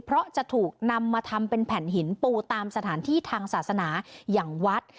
เพราะจะถูกนำมาทำเป็นแผ่นหินปูตามสถานที่ทางศาสนาอย่างวัด